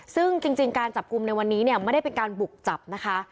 ซึ่งจริงการจับกลุ่มในวันนี้เนี่ยไม่ได้เป็นการบุกจับนะคะ